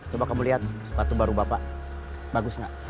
coba kamu lihat sepatu baru bapak bagus nggak